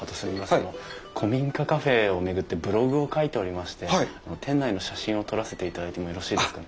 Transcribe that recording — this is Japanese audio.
あの古民家カフェを巡ってブログを書いておりまして店内の写真を撮らせていただいてもよろしいですかね？